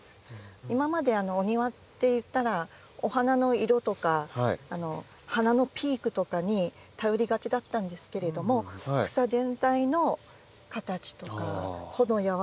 今までお庭っていったらお花の色とか花のピークとかに頼りがちだったんですけれども草全体の形とか穂の柔らかさとか。